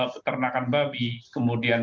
pertenakan babi kemudian